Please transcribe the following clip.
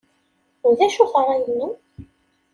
D acu-t ṛṛay-nnem?